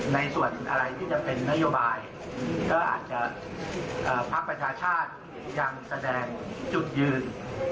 ในส่วนอะไรที่จะเป็นนโยบายก็อาจจะพักประชาชาติยังแสดงจุดยืน